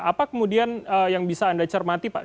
apa kemudian yang bisa anda cermati pak